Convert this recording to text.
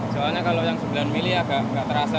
soalnya kalau yang sembilan mili agak nggak terasa